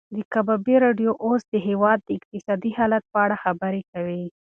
د کبابي راډیو اوس د هېواد د اقتصادي حالت په اړه خبرې کوي.